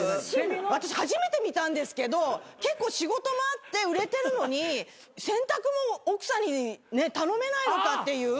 私初めて見たんですけど結構仕事もあって売れてるのに洗濯物奥さんに頼めないのかっていう。